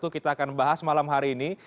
kita akan bahas malam hari ini